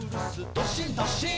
どっしんどっしん」